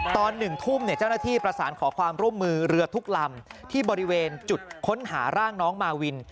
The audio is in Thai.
ตอน๑ทุ่มเจ้าหน้าที่ประสานขอความร่วมมือเรือทุกลำที่บริเวณจุดค้นหาร่างน้องมาวิน